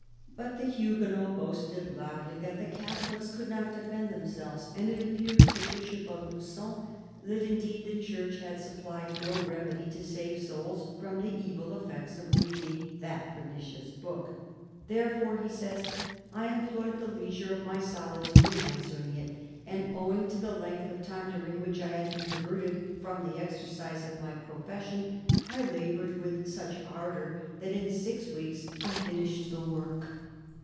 But the Huguenots boasted loudly that the Catholics could not defend themselves, and it appeared to the Bishop of Lu^on that indeed the Church had supplied no remedy to save souls from the evil effects of reading " that pernicious book." " Therefore," he says, " I employed the leisure of my solitude in answering it ; and owing 'to the length of I04 CARDINAL DE RICHELIEU time during which I had been diverted from the exercise of my profession, I laboured with such ardour that in six weeks I finished the work."